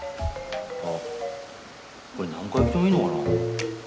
あっこれ何回来てもいいのかな？